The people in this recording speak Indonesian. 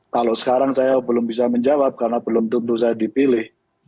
kalau sekarang saya belum bisa menjawab karena belum tentu saya dipilih